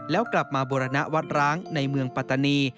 แล้วกลับมาบูรณวัดร้างในเมืองปัตตานี